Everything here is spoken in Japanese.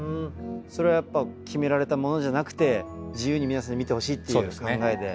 それはやっぱ決められたものじゃなくて自由に皆さんに見てほしいっていう考えで？